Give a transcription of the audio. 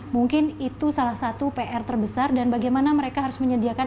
mungkin itu salah satu pr terbesar dan bagaimana mereka harus menyediakan